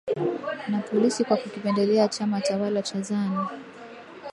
na polisi kwa kukipendelea chama tawala cha Zanu